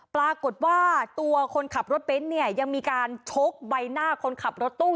ปรากฏว่าตัวคนขับรถเบนท์เนี่ยยังมีการชกใบหน้าคนขับรถตู้